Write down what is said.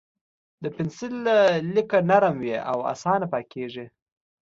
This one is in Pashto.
د پنسل لیکه نرم وي او اسانه پاکېږي.